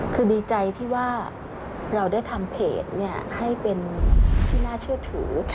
คือดีใจที่ว่าเราได้ทำเพจให้เป็นที่น่าเชื่อถือ